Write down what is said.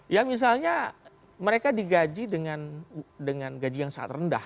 ya misalnya mereka digaji dengan gaji yang sangat rendah